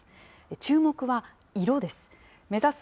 注目は色です。